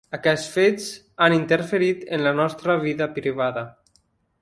Aquests fets han interferit en la nostra vida privada.